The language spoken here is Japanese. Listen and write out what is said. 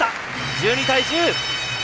１２対１０。